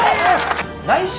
来週？